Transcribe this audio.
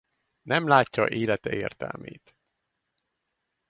Nem látja élete értelmét.